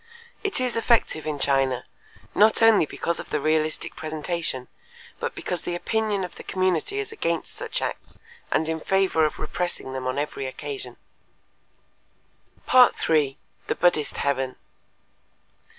It is effective in China, not only because of the realistic presentation, but because the opinion of the community is against such acts and in favor of repressing them on every occasion. _3. The Buddhist Heaven.